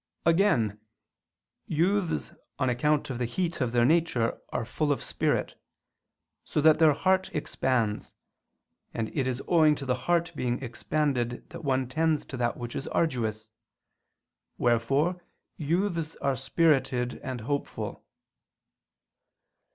Again, youths, on account of the heat of their nature, are full of spirit; so that their heart expands: and it is owing to the heart being expanded that one tends to that which is arduous; wherefore youths are spirited and hopeful.